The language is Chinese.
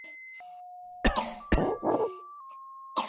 隐密裂囊猛水蚤为双囊猛水蚤科裂囊猛水蚤属的动物。